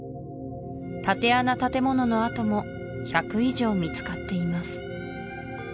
竪穴建物の跡も１００以上見つかっています